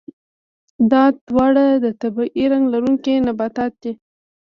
دا دواړه د طبیعي رنګ لرونکي نباتات دي.